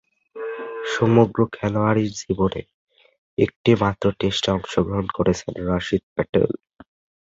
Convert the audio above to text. সমগ্র খেলোয়াড়ী জীবনে একটিমাত্র টেস্টে অংশগ্রহণ করেছেন রশীদ প্যাটেল।